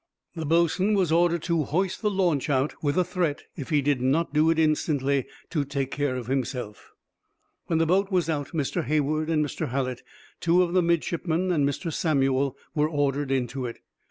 The boatswain was ordered to hoist the launch out, with a threat if he did not do it instantly to take care of himself. When the boat was out, Mr. Hayward and Mr. Hallett, two of the midshipmen, and Mr. Samuel, were ordered into it.